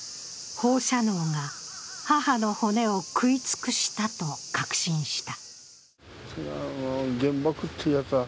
放射能が母の骨を食い尽くしたと確信した。